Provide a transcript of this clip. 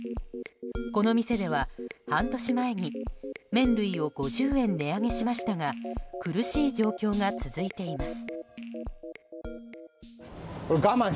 この店では半年前に麺類を５０円値上げしましたが苦しい状況が続いています。